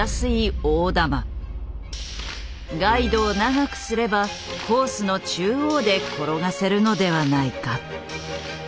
ガイドを長くすればコースの中央で転がせるのではないか。